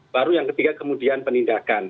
baru yang ketiga kemudian penindakan